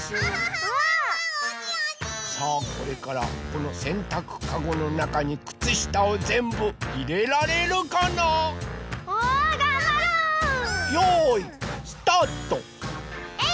さあこれからこのせんたくカゴのなかにくつしたをぜんぶいれられるかな？わがんばる！